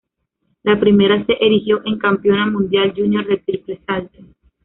La primera se erigió en campeona mundial júnior de triple salto.